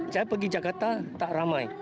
saya pergi jakarta tak ramai